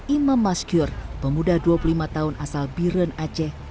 imam maskur pemuda dua puluh lima tahun asal biren aceh